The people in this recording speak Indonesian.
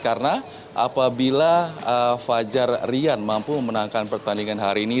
karena apabila fajar rian mampu memenangkan pertandingan hari ini